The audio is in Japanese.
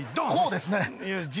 こうですね。